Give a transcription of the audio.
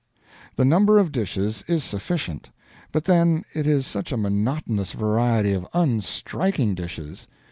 The number of dishes is sufficient; but then it is such a monotonous variety of UNSTRIKING dishes.